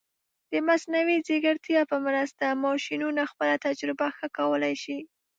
د مصنوعي ځیرکتیا په مرسته، ماشینونه خپله تجربه ښه کولی شي.